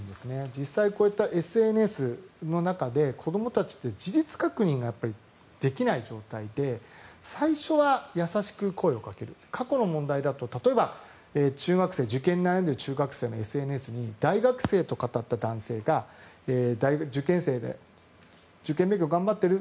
実際、こういったＳＮＳの中で子どもたちって事実確認ができない状態で最初は優しく声をかける過去の問題だと例えば受験で悩んでいる中学生のＳＮＳに大学生とかたった男性が受験勉強頑張ってる？